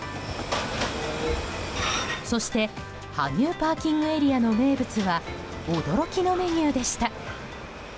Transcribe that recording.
そして、羽生ＰＡの名物は驚きのメニューでした。